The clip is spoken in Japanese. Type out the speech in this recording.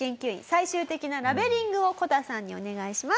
最終的なラベリングをこたさんにお願いします。